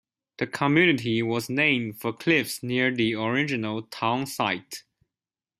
The community was named for cliffs near the original town site.